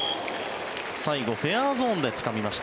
最後フェアゾーンでつかみました